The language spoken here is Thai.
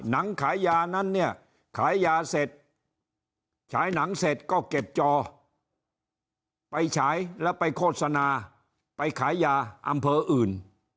ขายยานั้นเนี่ยขายยาเสร็จฉายหนังเสร็จก็เก็บจอไปฉายแล้วไปโฆษณาไปขายยาอำเภออื่น